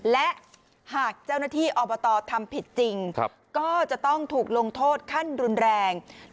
และหากเจ้าหน้าที่อบตทำผิดจริงก็จะต้องถูกลงโทษขั้นรุนแรง